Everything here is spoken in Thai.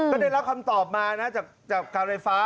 ก็ได้รับคำตอบมานะจากการไฟฟ้า